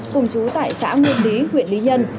cùng chú tải xã nguyễn lý huyện lý nhân